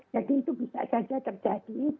jadi itu bisa saja terjadi